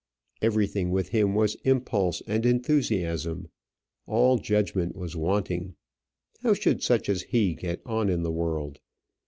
Everything with him was impulse and enthusiasm. All judgment was wanting. How should such as he get on in the world?